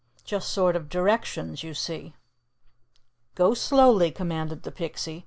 "Just sort of directions, you see." "Go slowly," commanded the Pixie.